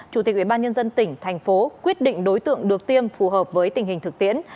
chủ tịch ubnd tỉnh thành phố quyết định đối tượng được tiêm phù hợp với tình hình thực tiễn